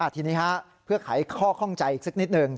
ทีนี้เพื่อไขข้อข้องใจอีกสักนิดหนึ่ง